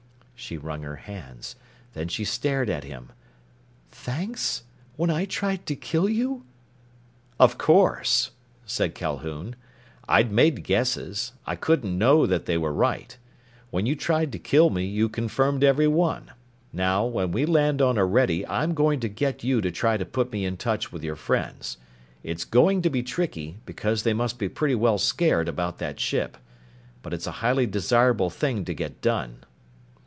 She wrung her hands. Then she stared at him. "Thanks? When I tried to kill you?" "Of course!" said Calhoun. "I'd made guesses. I couldn't know that they were right. When you tried to kill me, you confirmed every one. Now, when we land on Orede I'm going to get you to try to put me in touch with your friends. It's going to be tricky, because they must be pretty well scared about that ship. But it's a highly desirable thing to get done!"